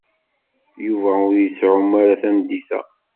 Yuba ur yettɛumu ara tameddit-a.